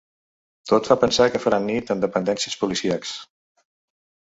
Tot fa pensar que faran nit en dependències policíacs.